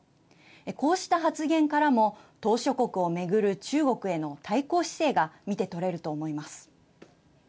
こうした発言からも島しょ国をめぐる中国への対抗姿勢が見て取れると思います。